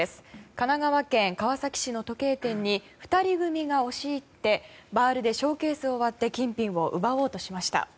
神奈川県川崎市の時計店に２人組が押し入ってバールでショーケースを割って金品を奪おうとしました。